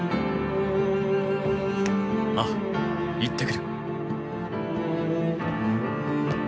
ああ行ってくる。